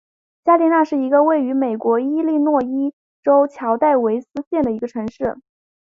加利纳是一个位于美国伊利诺伊州乔戴维斯县的城市。